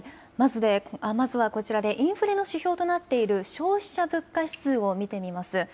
まずはこちらでインフレの指標となっている消費者物価指数を見てみます。